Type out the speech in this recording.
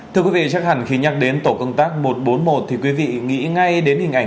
thưa quý vị chắc hẳn khi nhắc đến tổ công tác một trăm bốn mươi một thì quý vị nghĩ ngay đến hình ảnh